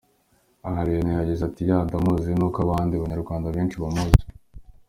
Aha, Allioni yagize ati “ Yeah, ndamuzi nk’ukoabandi banyarwanda benshi bamuzi.